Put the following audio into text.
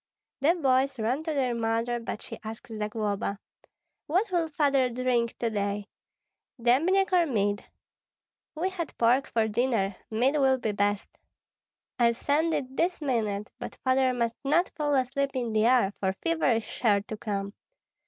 The boys ran to their mother; but she asked Zagloba, "What will Father drink to day, dembniak or mead?" "We had pork for dinner; mead will be best." "I'll send it this minute; but Father must not fall asleep in the air, for fever is sure to come."